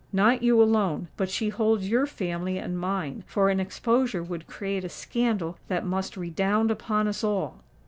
Not you alone:—but she holds your family and mine—for an exposure would create a scandal that must redound upon us all!"